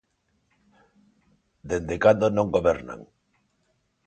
Dende cando non gobernan.